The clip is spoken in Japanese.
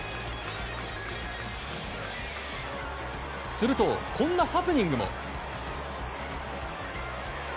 すると、こんなハプニングも。